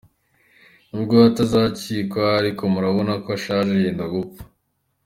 Nubwo we atazicwa, ariko murabona ko ashaje, yenda gupfa.